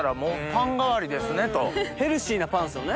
ヘルシーなパンですよね。